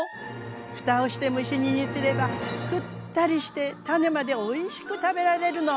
⁉ふたをして蒸し煮にすればくったりして種までおいしく食べられるの。